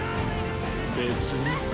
別に。